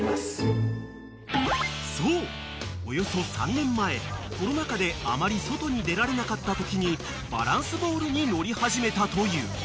［そうおよそ３年前コロナ禍であまり外に出られなかったときにバランスボールに乗り始めたという］